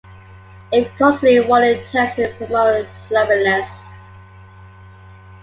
If constantly worn it tends to promote slovenliness.